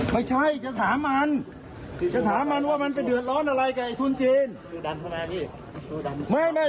ไม่ใช่จะถามมันจะถามมันว่ามันไปเดือดร้อนอะไรกับไอ้ทุนจีน